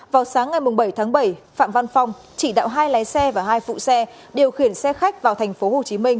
vào sáng ngày bảy tháng bảy phạm văn phong chỉ đạo hai lái xe và hai phụ xe điều khiển xe khách vào tp hcm